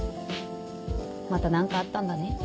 また何かあったんだね？